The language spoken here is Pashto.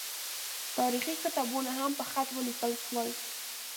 تاریخي کتابونه هم په خط ولیکل شول.